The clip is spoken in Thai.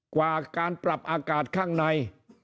กว่าการปรับอากาศข้างใน